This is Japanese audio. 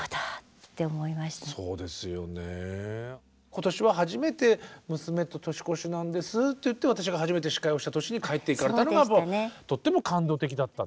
今年は初めて娘と年越しなんですって言って私が初めて司会をした年に帰って行かれたのがとっても感動的だった。